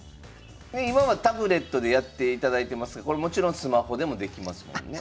今はタブレットでやっていただいてますがこれもちろんスマホでもできますもんね。